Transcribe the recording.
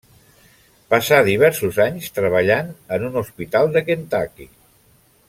Passà diversos anys treballant en un hospital de Kentucky.